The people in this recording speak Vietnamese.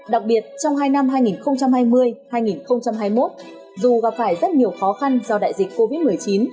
đặc biệt trong hai năm hai nghìn hai mươi hai nghìn hai mươi một dù gặp phải rất nhiều khó khăn do đại dịch covid một mươi chín